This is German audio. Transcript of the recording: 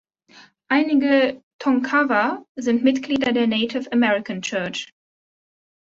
Einige Tonkawa sind Mitglieder der Native American Church.